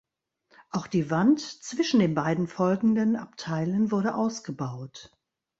Auch die Wand zwischen den beiden folgenden Abteilen wurde ausgebaut.